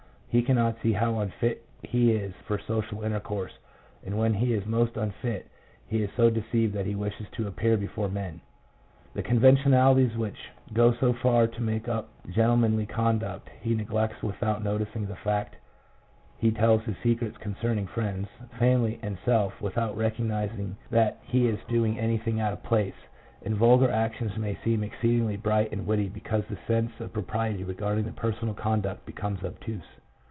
He cannot see how unfit he is for social intercourse, and when he is most unfit he is so deceived that he wishes to appear before men. The conventionalities which go so far to make up gentlemanly conduct he neglects without noticing the fact he tells secrets concerning friends, family and self without recognizing that he is doing anything out of place, and vulgar actions may seem exceedingly bright and witty because the sense of propriety regarding personal conduct becomes obtuse.